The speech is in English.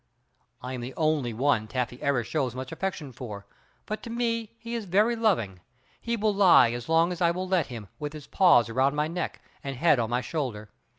I am the only one Taffy ever shows much affection for, but to me he is very loving. He will lie as long as I will let him with his paws about my neck, and head on my shoulder.